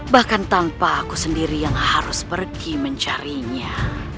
bahkan tanpa aku sendiri yang harus pergi mencarinya